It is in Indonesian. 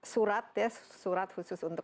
surat surat khusus untuk